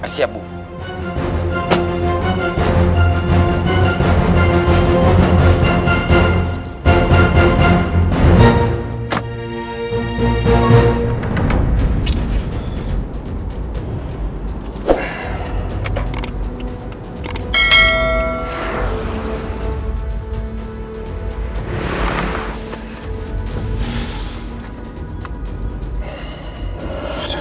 saya siap bu